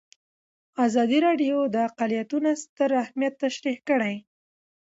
ازادي راډیو د اقلیتونه ستر اهميت تشریح کړی.